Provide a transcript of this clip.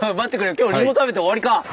今日リンゴ食べて終わりか！